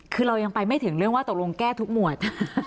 คือเรายังไปไม่ถึงเรื่องว่าตกลงแก้ทุกหมวด